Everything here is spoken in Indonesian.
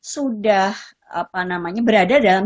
sudah apa namanya berada dalam